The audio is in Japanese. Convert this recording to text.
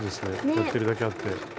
やってるだけあって。